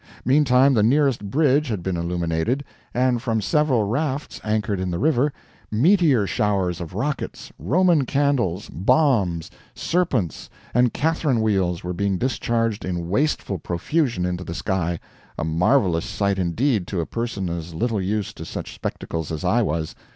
Meantime the nearest bridge had been illuminated, and from several rafts anchored in the river, meteor showers of rockets, Roman candles, bombs, serpents, and Catharine wheels were being discharged in wasteful profusion into the sky a marvelous sight indeed to a person as little used to such spectacles as I was.